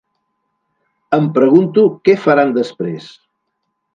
Em pregunto què faran després!